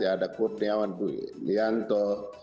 ada kurniawan kuyanto